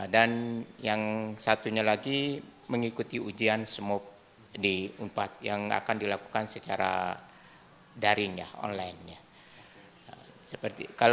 dan yang satunya lagi mengikuti ujian semua di unpad yang akan dilakukan secara daring online